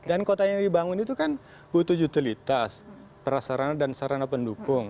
dan kota yang dibangun itu kan butuh utilitas prasarana dan sarana pendukung